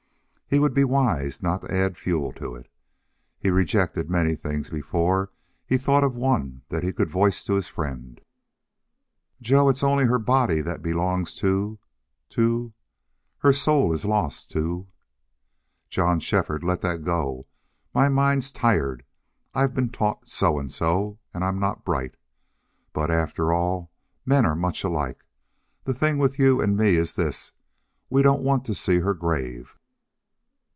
He would be wise not to add fuel to it. He rejected many things before he thought of one that he could voice to his friend. "Joe, it's only her body that belongs to to.... Her soul is lost to " "John Shefford, let that go. My mind's tired. I've been taught so and so, and I'm not bright.... But, after all, men are much alike. The thing with you and me is this we don't want to see HER grave!"